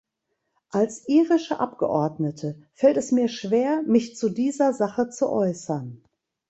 Als irische Abgeordnete fällt es mir schwer, mich zu dieser Sache zu äußern.